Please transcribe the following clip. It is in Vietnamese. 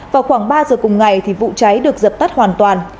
vào khoảng ba h cùng ngày thì vụ trái được dập tắt hoàn toàn